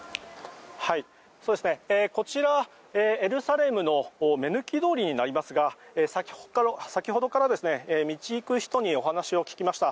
こちら、エルサレムの目抜き通りになりますが先ほどから道行く人にお話を聞きました。